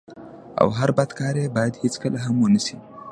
او هر بد کار بايد هيڅکله هم و نه سي.